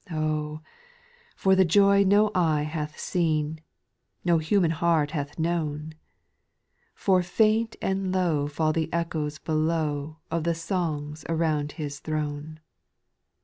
3. Oh ! for the joy no eye hath seen, No human heart hath known ; For faint and low Fall the echoes below Of the songs around His throne.